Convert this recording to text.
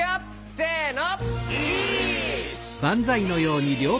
せの。